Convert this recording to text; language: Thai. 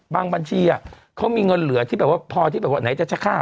บัญชีเขามีเงินเหลือที่แบบว่าพอที่แบบว่าไหนจะฆ่า